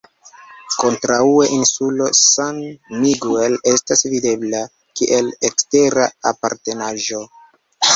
Kontraŭe insulo San Miguel estas videbla (kiel ekstera aparternaĵo).